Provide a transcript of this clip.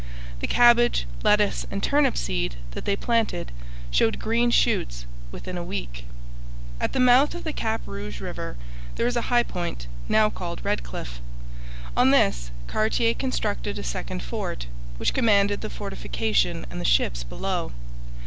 The cabbage, lettuce, and turnip seed that they planted showed green shoots within a week. At the mouth of the Cap Rouge river there is a high point, now called Redclyffe. On this Cartier constructed a second fort, which commanded the fortification and the ships below.